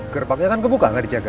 gerbaknya kan kebuka gak dijaga